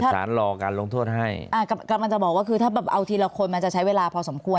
รอการลงโทษให้อ่ากำลังจะบอกว่าคือถ้าแบบเอาทีละคนมันจะใช้เวลาพอสมควร